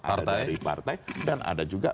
atau dari partai dan ada juga